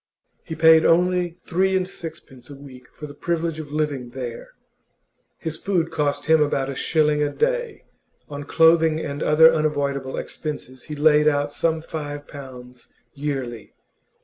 He paid only three and sixpence a week for the privilege of living there; his food cost him about a shilling a day; on clothing and other unavoidable expenses he laid out some five pounds yearly.